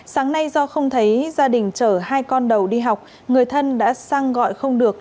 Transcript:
sáng nay do không thấy gia đình chở hai con đầu đi học người thân đã sang gọi không được